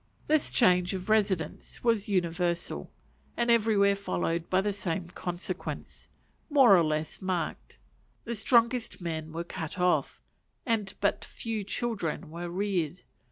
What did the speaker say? This change of residence was universal, and everywhere followed by the same consequences, more or less marked: the strongest men were cut off and but few children were reared.